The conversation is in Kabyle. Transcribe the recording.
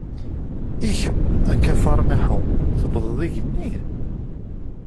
I kem, a Kafar Naḥum, tewwḍeḍ igenni?